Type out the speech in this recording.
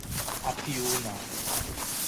Apiúna